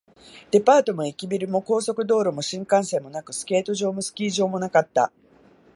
デパートも駅ビルも、高速道路も新幹線もなく、スケート場もスキー場もなかった